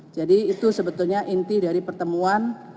jadi itu sebetulnya inti dari pertemuan